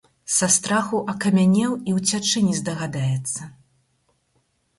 Са страху акамянеў і ўцячы не здагадаецца.